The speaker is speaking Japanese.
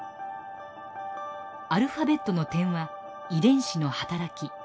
アルファベットの点は遺伝子の働き。